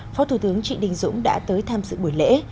phó thủ tướng trịnh đình dũng đã tới tham dự buổi lễ